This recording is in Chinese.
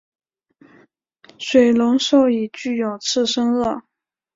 水龙兽已具有次生腭。